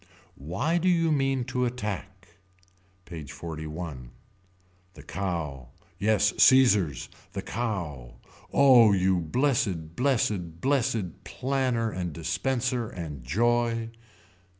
Why do you mean to attack. PAGE XLI. The Cow. Yes Caesars. The Cow. Oh you blessed blessed blessed planner and dispenser and joy.